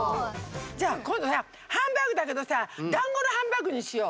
じゃあこんどさハンバーグだけどさだんごのハンバーグにしよう。